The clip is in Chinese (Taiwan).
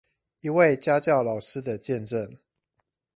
一位家教老師的見證